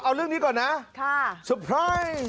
การนอนไม่จำเป็นต้องมีอะไรกัน